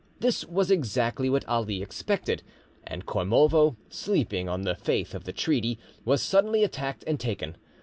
This was exactly what Ali expected, and Kormovo, sleeping on the faith of the treaty, was suddenly attacked and taken.